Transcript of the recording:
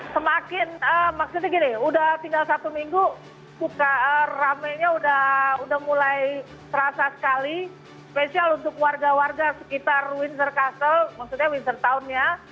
semakin maksudnya gini udah tinggal satu minggu suka ramenya udah mulai terasa sekali spesial untuk warga warga sekitar windsor castle maksudnya windsor townnya